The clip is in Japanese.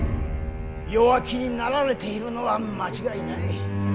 弱気になられているのは間違いない。